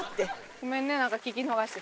ごめんね聞き逃して。